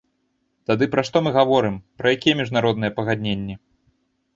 Тады пра што мы гаворым, пра якія міжнародныя пагадненні?